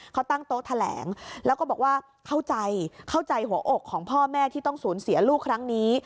เขาตั้งโต๊ะแถลงแล้วก็บอกว่าเข้าใจเข้าใจหัวอกของพ่อแม่ที่ต้องสูญเสียลูกครั้งนี้